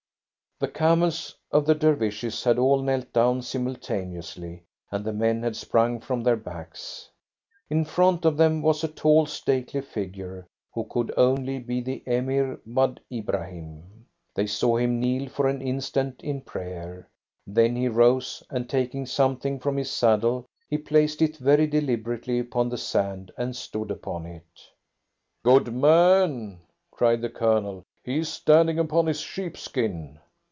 The camels of the Dervishes had all knelt down simultaneously, and the men had sprung from their backs. In front of them was a tall, stately figure, who could only be the Emir Wad Ibrahim. They saw him kneel for an instant in prayer. Then he rose, and taking something from his saddle he placed it very deliberately upon the sand and stood upon it. "Good man!" cried the Colonel. "He is standing upon his sheepskin."